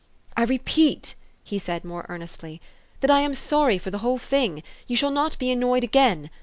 "I repeat," he said more earnestly, "that I am sorry for the whole thing. You shall not be anno}~ed again.